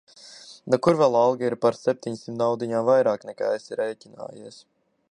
Nu kur vēl alga ir par septiņsimt naudiņām vairāk nekā esi rēķinājies.